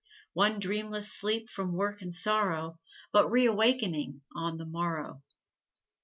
One dreamless sleep from work and sorrow, But reawakening on the morrow.